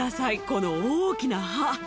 この大きな歯！